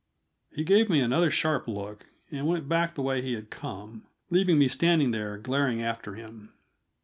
He gave me another sharp look, and went back the way he had come, leaving me standing there glaring after him.